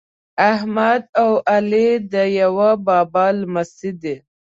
احمد او علي د یوه بابا لمسي دي.